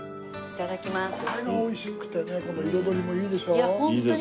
いただきます。